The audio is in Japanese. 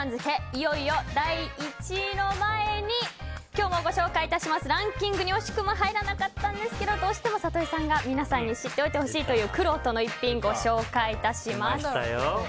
いよいよ第１位の前に今日もランキングに惜しくも入らなかったんですがどうしても里井さんが、皆さんに知っておいてほしいというくろうとの逸品ご紹介致します。